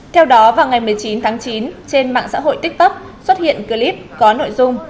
theo đó vào ngày một mươi chín tháng chín trên mạng xã hội tiktok xuất hiện clip có nội dung